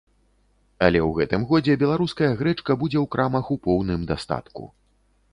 Але ў гэтым годзе беларуская грэчка будзе ў крамах у поўным дастатку.